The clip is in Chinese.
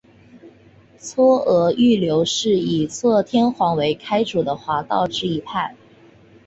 嵯峨御流是以嵯峨天皇为开祖的华道之一派。